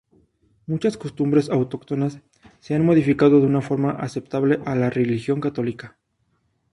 Muchas costumbres autóctonas se han modificado de una forma aceptable a la religión católica.